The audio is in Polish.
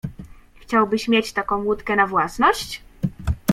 Chciałbyś mieć taką łódkę na własność?